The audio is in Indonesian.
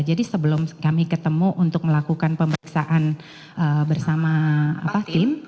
jadi sebelum kami ketemu untuk melakukan pemeriksaan bersama tim